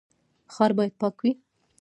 ښار باید پاک وي